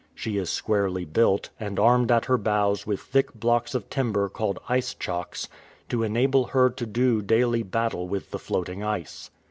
She is squarely built, and armed at her bows with thick blocks of timber called ice chocks, to enable her to do daily battle with the floating ice.